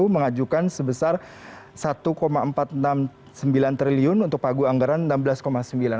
mengajukan sebesar rp satu empat ratus enam puluh sembilan triliun untuk pagu anggaran rp enam belas sembilan triliun